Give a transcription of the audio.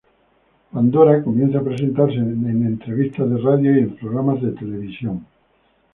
Pandora comienza a presentarse en entrevistas de radio y en programas de televisión.